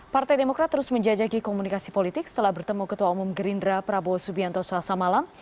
partai demokrat terus menjajaki komunikasi politik setelah bertemu ketua umum gerindra prabowo subianto selasa malam